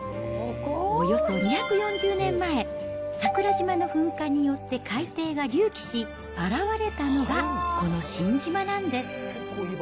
およそ２４０年前、桜島の噴火によって海底が隆起し、現れたのが、この新島なんです。